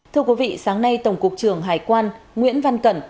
thưa quý vị sáng nay tổng cục trưởng hải quan nguyễn văn cẩn